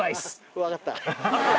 分かった？